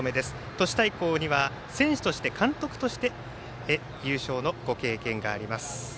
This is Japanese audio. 都市対抗には選手として監督として優勝のご経験があります。